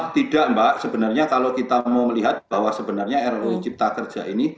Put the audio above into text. tidak mbak sebenarnya kalau kita mau melihat bahwa sebenarnya ruu cipta kerja ini